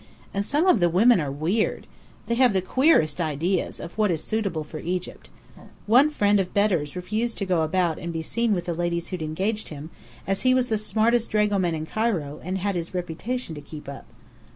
And some of the women are weird! They have the queerest ideas of what is suitable for Egypt. One friend of Bedr's refused to go about and be seen with the ladies who'd engaged him, as he was the smartest dragoman in Cairo and had his reputation to keep up.